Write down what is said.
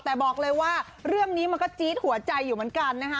แต่บอกเลยว่าเรื่องนี้มันก็จี๊ดหัวใจอยู่เหมือนกันนะคะ